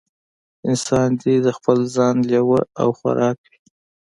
انسان دې د خپل ځان لېوه او خوراک وي.